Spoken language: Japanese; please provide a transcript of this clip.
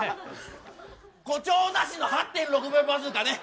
誇張なしの８．６秒バズーカね。